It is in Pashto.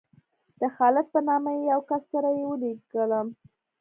د خالد په نامه یو کس سره یې ولېږلم.